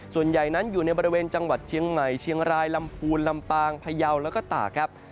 ส่วนใหญ่นั้นอยู่ในบริเวณจังหวัดเชียงใหม่เชียงรายลำพูนลำปางพยาวแล้วก็ตากครับ